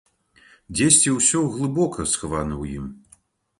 Дзесьці ўсё глыбока схавана ў ім.